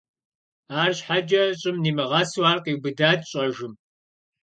АрщхьэкӀэ щӀым нимыгъэсу ар къиубыдат щӀэжым.